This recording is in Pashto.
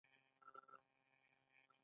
نړیوالې اصطلاحات ژبه بډایه کوي.